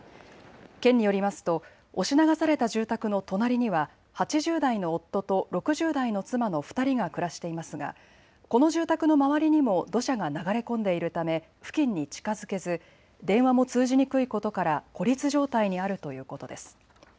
県によりますと押し流された住宅の隣には８０代の夫と６０代の妻の２人が暮らしていますがこの住宅の周りにも土砂が流れ込んでいるため付近に近づけず電話も通じにくいことから孤立状態にあるということです。